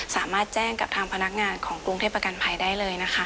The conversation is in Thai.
สามารถแจ้งกับทางพนักงานของกรุงเทพประกันภัยได้เลยนะคะ